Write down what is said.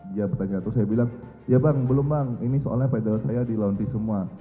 dia bertanya terus saya bilang ya bang belum bang ini soalnya pedel saya dilaunti semua